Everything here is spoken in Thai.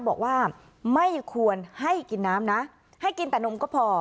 บอกว่าไม่ควรให้กินน้ำนะให้กินแต่นมก็พอ